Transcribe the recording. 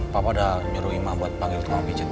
papa udah nyuruh imah buat panggil tunggal pijat